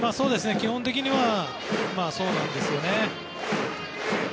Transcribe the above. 基本的にはそうなんですよね。